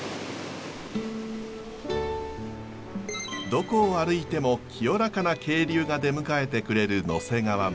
どこを歩いても清らかな渓流が出迎えてくれる野迫川村。